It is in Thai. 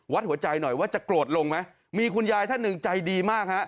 หัวใจหน่อยว่าจะโกรธลงไหมมีคุณยายท่านหนึ่งใจดีมากฮะ